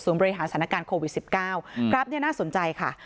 บริหารสถานการณ์โควิด๑๙กราฟเนี่ยน่าสนใจค่ะ